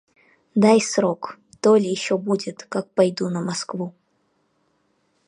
Дай срок, то ли еще будет, как пойду на Москву.